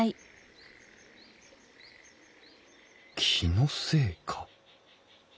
気のせいか。